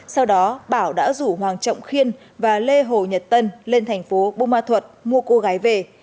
sau đó bảo đã rủ hoàng trọng khiên và lê hồ nhật tân lên thành phố bumathut mua cô gái về